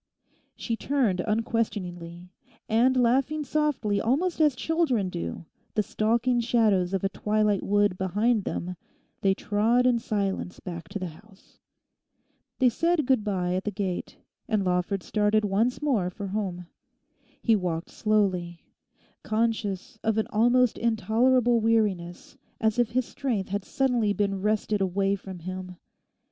She turned unquestioningly. And laughing softly almost as children do, the stalking shadows of a twilight wood behind them—they trod in silence back to the house. They said good bye at the gate, and Lawford started once more for home. He walked slowly, conscious of an almost intolerable weariness, as if his strength had suddenly been wrested away from him.